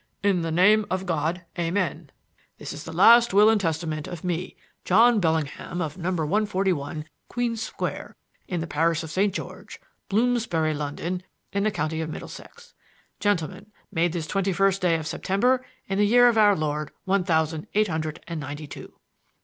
"In the name of God Amen. This is the last will and testament of me John Bellingham of number 141 Queen Square in the parish of St. George Bloomsbury London in the county of Middlesex Gentleman made this twenty first day of September in the year of our Lord one thousand eight hundred and ninety two.